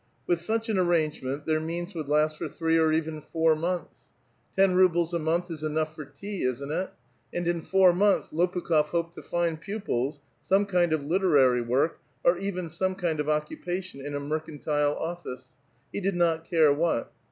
With such an nrrangenient, their means would last for three or even four mouths. Ten rubles a month is enough for tea, isn't it? and in four montiis Loi)ukh6f hoped to find pupils, some kind of literary work, or even some kind of occupation in a mercantile ollice, — he did not care what.